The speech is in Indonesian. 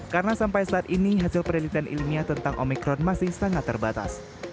karena sampai saat ini hasil penelitian ilmiah tentang omikron masih sangat terbatas